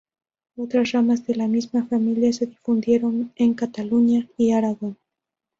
Otras ramas de la misma familia se difundieron en Cataluña y Aragón.